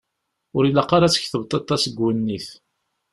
Ur ilaq ara ad tketbeḍ aṭas deg uwennit.